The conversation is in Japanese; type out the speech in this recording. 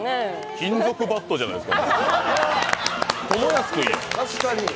金属バットじゃないですか。